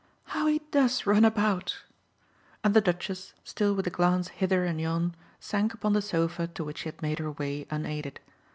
"How he does run about!" And the Duchess, still with a glance hither and yon, sank upon the sofa to which she had made her way unaided.